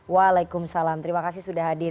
waalaikumsalam terima kasih sudah hadir